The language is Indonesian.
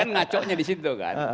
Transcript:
kan ngacoknya disitu kan